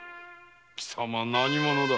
貴様は何者だ？